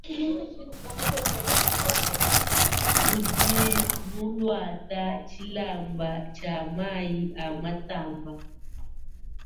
Udi muluate tshilamba tshia mayi a matamba.